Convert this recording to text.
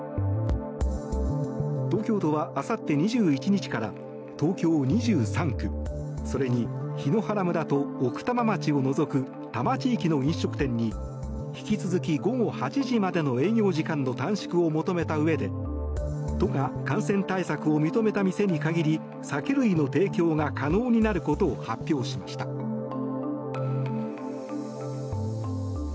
東京都は、あさって２１日から東京２３区それに檜原村と奥多摩町を除く多摩地域の飲食店に引き続き、午後８時までの営業時間の短縮を求めたうえで都が感染対策を認めた店に限り酒類の提供が可能になることを発表しました。